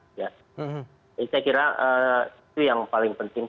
saya kira itu yang paling penting